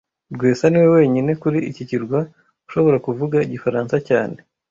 Rwesa niwe wenyine kuri iki kirwa ushobora kuvuga igifaransa cyane